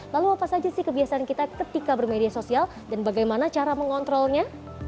lalu apa saja sih kebiasaan kita ketika bermedia sosial dan bagaimana cara mengontrolnya